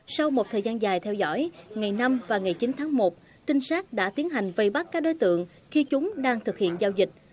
sau một thời gian dài theo dõi ngày năm và ngày chín tháng một trinh sát đã tiến hành vây bắt các đối tượng khi chúng đang thực hiện giao dịch